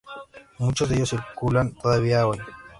Muchos de ellos circulan todavía hoy.